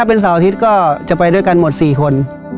เป็นเสาร์อาทิตย์ก็จะไปด้วยกันหมด๔คน